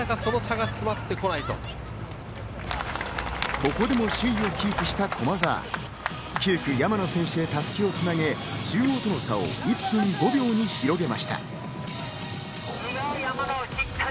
ここでも首位をキープした駒澤、９区・山野選手に襷を繋げ、中央との差を１分５秒に広げました。